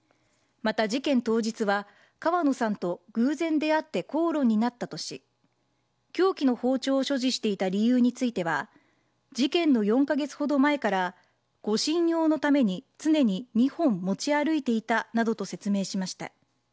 また、事件当日は川野さんと偶然出会って口論になったとし凶器の包丁を所持していた理由については事件の４カ月ほど前から護身用のために常に２本持ち歩いていたなどと説明しました。